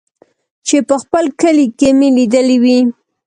چې په خپل کلي کښې مې ليدلې وې.